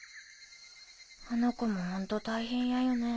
あの子もホント大変やよね。